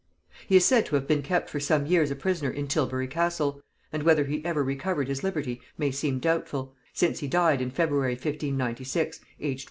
He is said to have been kept for some years a prisoner in Tilbury castle; and whether he ever recovered his liberty may seem doubtful, since he died in February 1596, aged 48.